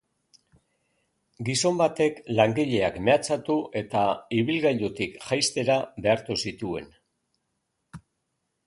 Gizon batek langileak mehatxatu eta ibilgailutik jaistera behartu zituen.